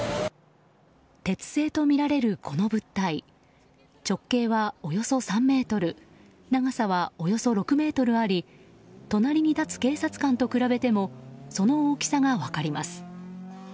鉄製とみられるこの物体直径はおよそ３ｍ長さはおよそ６ｍあり隣に立つ警察官と比べてもその大きさが分かります。